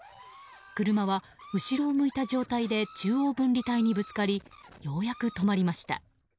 車は、後ろを向いた状態で中央分離帯にぶつかりようやく止まりました。